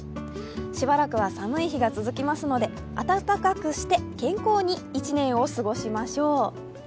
しばらくは寒い日が続きますので暖かくして健康に１年を過ごしましょう。